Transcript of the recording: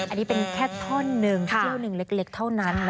อันนี้เป็นแค่ท่อนึงเที่ยวนึงเล็กเท่านั้นครับคุณผู้ชม